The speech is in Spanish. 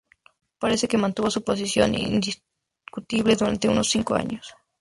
Parece que mantuvo su posesión indiscutible durante unos cinco años.